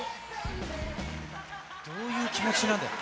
どういう気持ちなんだよ。